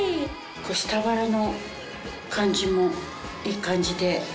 下腹の感じもいい感じで。